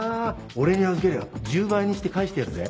俺に預けりゃ１０倍にして返してやるぜ？